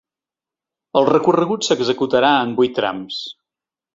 El recorregut s’executarà en vuit trams.